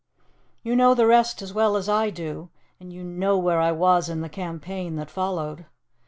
"You know the rest as well as I do, and you know where I was in the campaign that followed.